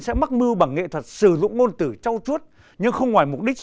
sẽ mắc mưu bằng nghệ thuật sử dụng ngôn từ trong chuốt nhưng không ngoài mục đích